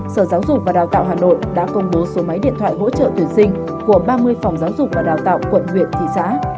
sở giáo dục và đào tạo hà nội đã công bố số máy điện thoại hỗ trợ tuyển sinh của ba mươi phòng giáo dục và đào tạo quận huyện thị xã